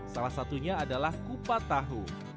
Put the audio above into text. salah satunya adalah kupat tahu